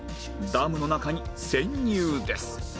ダムの中に潜入です